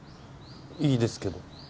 いいですけど。